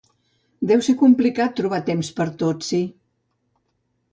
Deu ser complicat trobar temps per a tot, sí.